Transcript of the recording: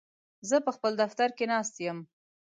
زه په خپل دفتر کې ناست یم.